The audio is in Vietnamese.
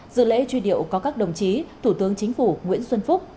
dự lễ truy điệu có các đồng chí thủ tướng chính phủ nguyễn xuân phúc